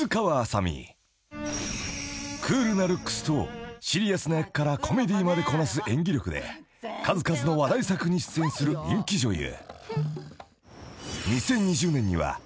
［クールなルックスとシリアスな役からコメディーまでこなす演技力で数々の話題作に出演する人気女優］